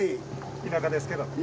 田舎ですけどね。